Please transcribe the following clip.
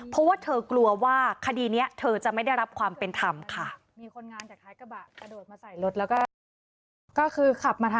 เพราะว่าเธอกลัวว่าคดีนี้เธอจะไม่ได้รับความเป็นธรรมค่ะ